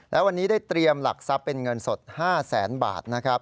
และวันนี้ได้เตรียมหลักทรัพย์เป็นเงินสด๕แสนบาทนะครับ